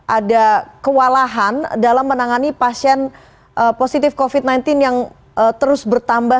ada kewalahan dalam menangani pasien positif covid sembilan belas yang terus bertambah